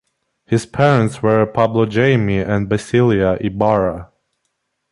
His parents were Pablo Jaime and Basilia Ibarra.